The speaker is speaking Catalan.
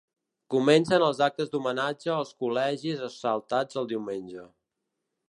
Comencen els actes d’homenatge als col·legis assaltats el diumenge.